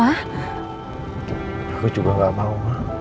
aku juga gak mau